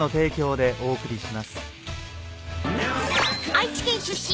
［愛知県出身